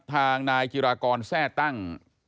ทางนายจิรากรแทร่ตั้ง